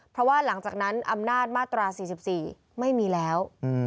เพราะว่าหลังจากนั้นอำนาจมาตรา๔๔ไม่มีแล้ว